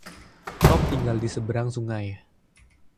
Tom tinggal di seberang sungai.